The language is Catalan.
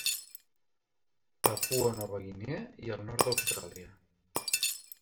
Papua Nova Guinea i el nord d'Austràlia.